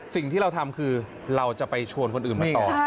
สิ่งที่เราทำคือเราจะไปชวนคนอื่นมาต่อ